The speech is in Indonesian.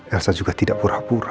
elsa juga tidak pura pura